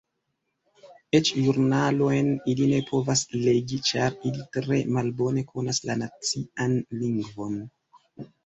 Eĉ ĵurnalojn ili ne povas legi ĉar ili tre malbone konas la nacian lingvon.